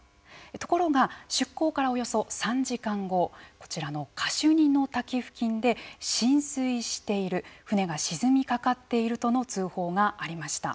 ところが、出航からおよそ３時間後こちらのカシュニの滝付近で浸水している船が沈みかかっているとの通報がありました。